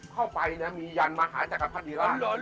เข้าไปมียันมหาจักรพัฒนิราช